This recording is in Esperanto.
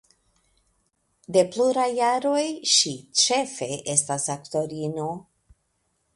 De pluraj jaroj ŝi ĉefe estas aktorino.